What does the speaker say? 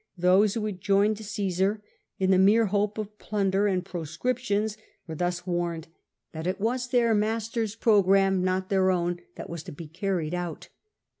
Those who had joined Caesar in the mere hope of plunder and proscriptions were thus warned that it was their master's programme, not their own, that was to be carried out.